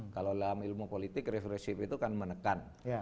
kalau dalam ilmu politik represif itu kan menekan